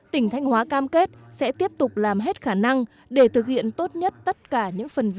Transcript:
tỉnh thanh hóa cam kết sẽ tiếp tục làm hết khả năng để thực hiện tốt nhất tất cả những phần vốn